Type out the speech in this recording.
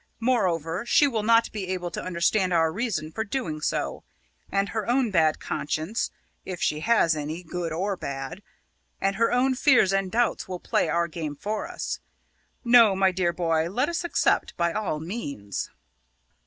Moreover, she will not be able to understand our reason for doing so, and her own bad conscience if she has any, bad or good and her own fears and doubts will play our game for us. No, my dear boy, let us accept, by all means."